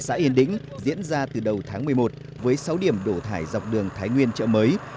xã yên đĩnh diễn ra từ đầu tháng một mươi một với sáu điểm đổ thải dọc đường thái nguyên chợ mới